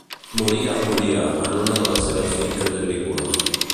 Morí a Hongria en una de les seves finques agrícoles.